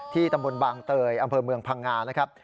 ตำบลบางเตยอำเภอเมืองพังงานะครับ